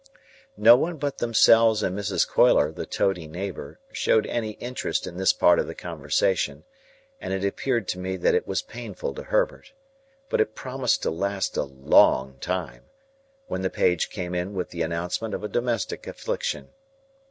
No one but themselves and Mrs. Coiler the toady neighbour showed any interest in this part of the conversation, and it appeared to me that it was painful to Herbert; but it promised to last a long time, when the page came in with the announcement of a domestic affliction.